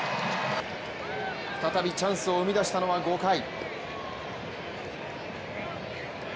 再びチャンスを生み出したのは５回。